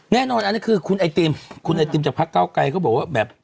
แน่นอนอันนี้คือคุณไอติมคุณไอติมจากพักเก้าไกรเขาบอกว่าแบบ